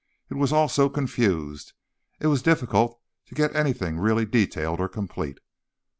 It was all so confused it was difficult to get anything really detailed or complete."